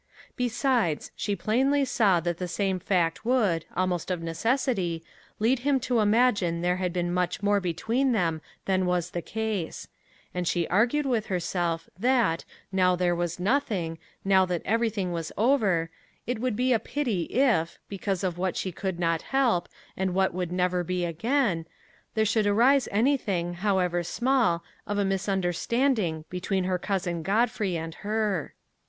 Besides, she plainly saw that the same fact would, almost of necessity, lead him to imagine there had been much more between them than was the case; and she argued with herself, that, now there was nothing, now that everything was over, it would be a pity if, because of what she could not help, and what would never be again, there should arise anything, however small, of a misunderstanding between her cousin Godfrey and her.